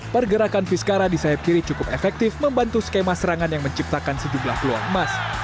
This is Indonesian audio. pergerakan vizcara di sayap kiri cukup efektif membantu skema serangan yang menciptakan sejumlah peluang emas